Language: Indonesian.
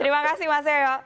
terima kasih mas yoyah